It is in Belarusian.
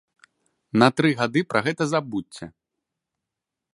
На тры гады пра гэта забудзьце!